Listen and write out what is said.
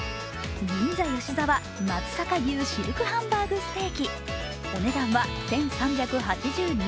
銀座吉澤松阪牛シルクハンバーグステーキお値段は１３８２円。